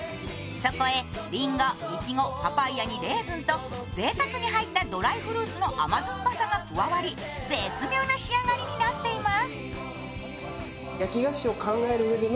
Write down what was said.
そこへ、りんご、いちごパパイアにレーズンとぜいたくに入ったドライフルーツの甘酸っぱさが加わり、絶妙な仕上がりになっています。